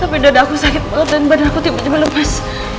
tapi dada aku sakit perut dan badan aku tiba tiba lepas